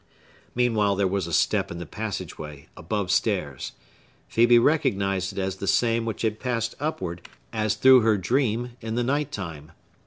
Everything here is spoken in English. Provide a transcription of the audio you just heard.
Meanwhile there was a step in the passage way, above stairs. Phœbe recognized it as the same which had passed upward, as through her dream, in the night time.